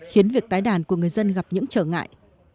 khiến việc tái đàn của người dân gặp những trở ngại